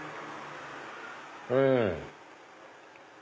うん！